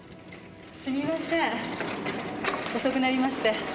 すみません遅くなりまして。